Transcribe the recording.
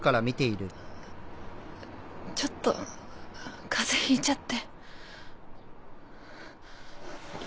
ちょっと風邪ひいちゃって。